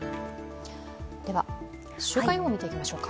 では週間予報見ていきましょうか。